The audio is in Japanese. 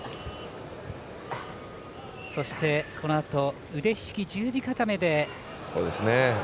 そして、このあと腕ひしぎ十字固めで。